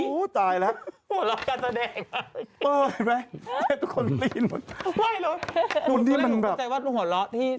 ดูให้รู้หนูคิดว่าหัวเราะที่